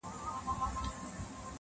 ورور ځان ته سزا ورکوي تل-